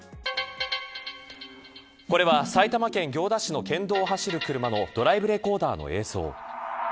これは、埼玉県行田市の県道を走る車のドライブレコーダーの映像。